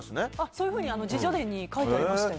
そういうふうに自叙伝に書いてありましたよ。